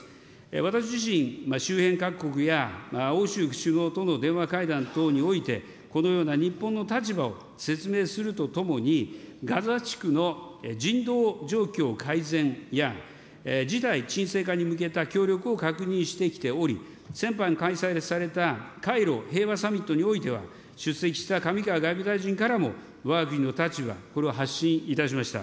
私自身、周辺各国や欧州首脳との電話会談等において、このような日本の立場を説明するとともに、ガザ地区の人道状況改善や、事態沈静化に向けた協力を確認してきており、先般開催された回路平和サミットにおいては、出席した上川外務大臣からも、わが国の立場、これを発信いたしました。